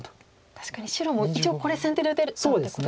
確かに白も一応これ先手で打てたってことに。